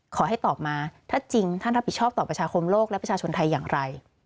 ขอให้ตอบมาถ้าจริงท่านรับผิดชอบต่อประชาคมโลกและประชาชนไทยอย่างไร